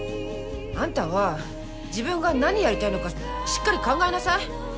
あんたは自分が何やりたいのかしっかり考えなさい。